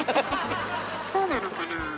そうなのかなあ。